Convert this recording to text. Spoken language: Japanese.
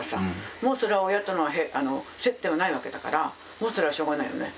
もうそれは親との接点はないわけだからもうそれはしょうがないよね。